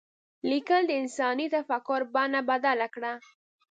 لیکل د انساني تفکر بڼه بدله کړه.